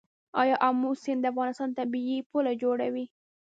آیا امو سیند د افغانستان طبیعي پوله جوړوي؟